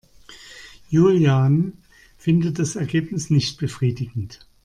Julian findet das Ergebnis nicht befriedigend.